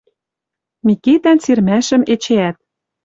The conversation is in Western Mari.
Микитӓн сирмӓшӹм эчеӓт.